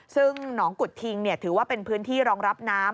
ซึ่งหนองกุฎทิงถือว่าเป็นพื้นที่รองรับน้ำ